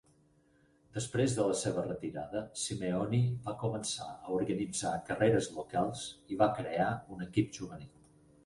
Després de la seva retirada, Simeoni va començar a organitzar carreres locals i va crear un equip juvenil.